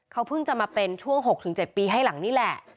เขาเพิ่งจะมาเป็นช่วง๖๗ปีให้หลังนี่แหละ